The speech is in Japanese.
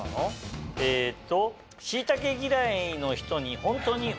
えっと。